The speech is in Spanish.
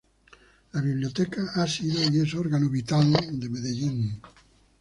La Biblioteca ha sido y es órgano vital de Medellín.